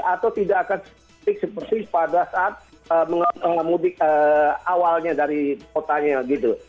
atau tidak akan spik spik pada saat mengangkut awalnya dari kotanya gitu